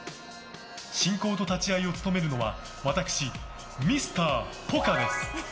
進行と立ち会いを務めるのは私、ミスター・ポカです。